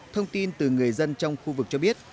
thông tin từ người dân trong khu vực cho biết